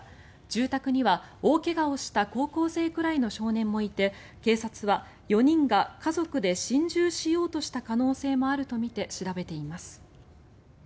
住宅には、大怪我をした高校生くらいの少年もいて警察は４人が家族で心中しようとした可能性もあるとみて調べています。